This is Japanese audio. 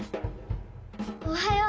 おはよう。